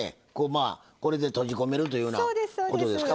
これで閉じ込めるというようなことですか？